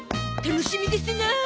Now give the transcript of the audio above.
楽しみですな。